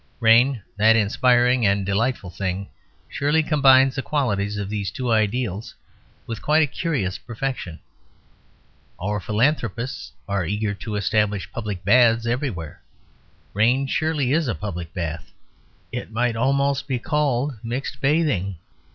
Rain, that inspiring and delightful thing, surely combines the qualities of these two ideals with quite a curious perfection. Our philanthropists are eager to establish public baths everywhere. Rain surely is a public bath; it might almost be called mixed bathing.